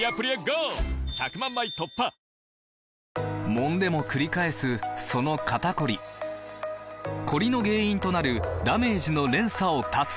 もんでもくり返すその肩こりコリの原因となるダメージの連鎖を断つ！